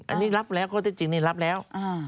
อันนี้รับแล้วข้อเท็จจริงนี่รับแล้ว